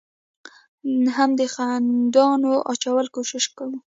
هم د خنډانو اچولو کوشش کوو،